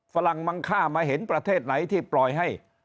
ฝรั่งมังค่ามาเห็นประเทศไหนที่ปล่อยให้